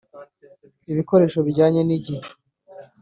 ibikoresho bijyanye n’igihe